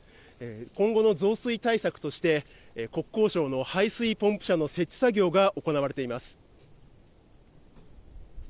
今後の増水対策として国交省の排水ポンプ車の設置作業が行われています。